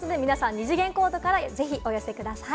二次元コードからぜひお寄せください。